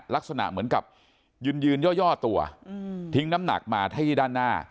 ลักษณะเหมือนกับยืนย่อตัวทิ้งน้ำหนักมาที่ด้านหน้า